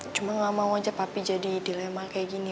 cuma gak mau aja papi jadi dilema kayak gini